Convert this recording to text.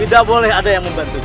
tidak boleh ada yang membantu